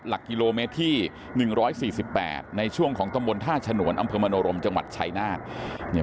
หลักกิโลเมตรที่๑๔๘ในช่วงของตำบลท่าฉนวนอำเภอมโนรมจังหวัดชายนาฏเนี่ย